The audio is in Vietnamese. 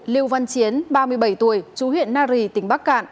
liêu văn chiến ba mươi bảy tuổi chú huyện nari tỉnh bắc cạn